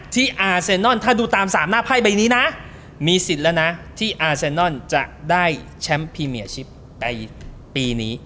อาเซนอนถ้าดูตาม๓หน้าไพ่ใบนี้นะมีสิทธิ์แล้วนะที่อาเซนนอนจะได้แชมป์พรีเมียชิปในปีนี้